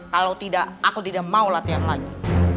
kalau tidak aku tidak mau latihan lagi